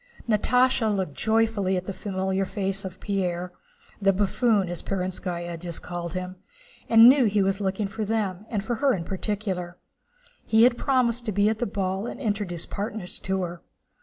Natásha looked joyfully at the familiar face of Pierre, "the buffoon," as Perónskaya had called him, and knew he was looking for them, and for her in particular. He had promised to be at the ball and introduce partners to her.